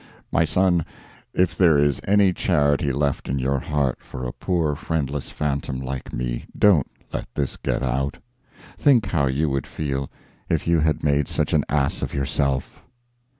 My son, if there is any charity left in your heart for a poor friendless phantom like me, don't let this get out. Think how you would feel if you had made such an ass of yourself."